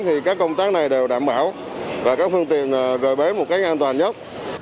thì các công tác này đều đảm bảo và các phương tiện rời bến một cách an toàn nhất